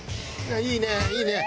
いいねいいね！